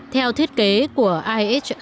theo thiết kế của ihs